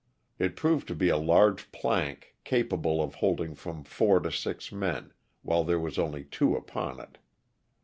It provod to bo a largo plank capable of holding from four to six men, while there was only two upon it.